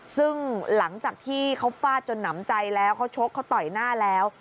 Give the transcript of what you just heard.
ซึ่งหลังจากที่เขาฟาดจนหนำใจแล้วเขาชกเขาต่อยหน้าแล้ว